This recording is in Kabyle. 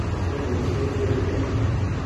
Ad argunt yir tirga.